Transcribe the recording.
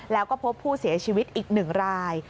แล้วก็พบผู้เสียชีวิตอีก๑ราย